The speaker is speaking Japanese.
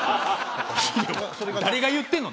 誰が言ってるの？